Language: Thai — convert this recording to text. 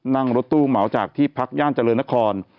นั่งรถตู้เหมาจากที่พักย่านเจริญนคร